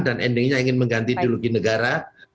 dan akhirnya ingin mengganti ideologi negara